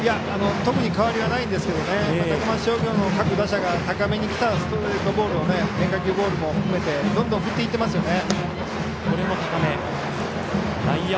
特に変わりはないんですけどただ、高松商業の各打者が高めにきたストレート変化球ボールも含めてどんどん振っていってますよね。